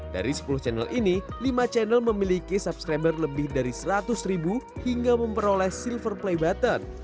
dari sepuluh channel ini lima channel memiliki subscriber lebih dari seratus ribu hingga memperoleh silver play button